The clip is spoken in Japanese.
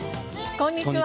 こんにちは。